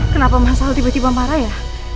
kenapa masal tiba tiba parah ya